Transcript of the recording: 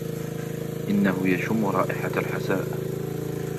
إنه يشم رائحة الحساء.